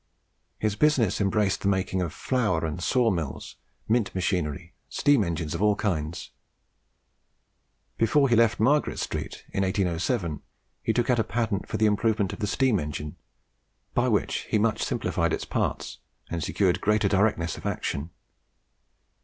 His business embraced the making of flour and saw mills, mint machinery, and steam engines of all kinds. Before he left Margaret Street, in 1807, he took out a patent for improvements in the steam engine, by which he much simplified its parts, and secured greater directness of action.